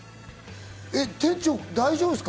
店長、大丈夫ですか？